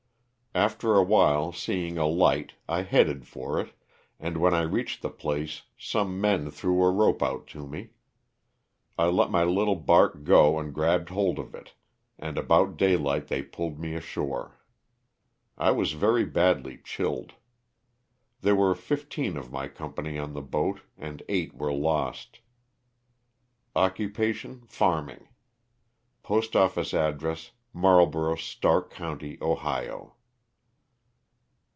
After a while seeing a light I headed for it, and when I reached the place some men threw a rope out to me; I let my little bark go and grabbed hold of it, and about daylight they pulled me ashore. I was very badly chilled. There were fifteen of my company on the boat and eight were lost. Occupation, farming. Postoffice address Marlboro, Stark county, Ohio.